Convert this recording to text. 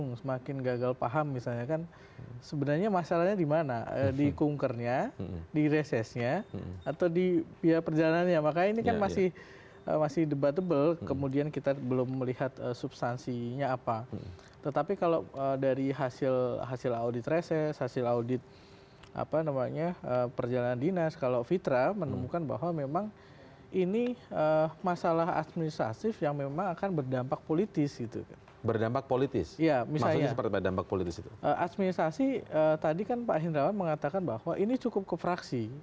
nah administrasi tadi kan pak hendrawan mengatakan bahwa ini cukup kefraksi